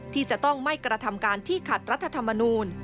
ที่จะต้องไม่กระทำการที่ขัดรัฐธรรมนูล